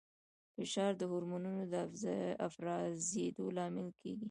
فشار د هورمونونو د افرازېدو لامل کېږي.